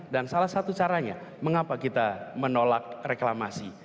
dan salah satu caranya mengapa kita menolak reklamasi